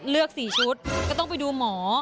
เลือก๔ชุดก็ต้องไปดูหมอ